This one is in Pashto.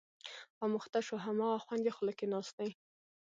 اموخته شو، هماغه خوند یې خوله کې ناست دی.